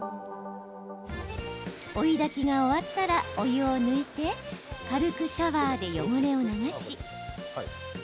追いだきが終わったらお湯を抜いて軽くシャワーで汚れを流し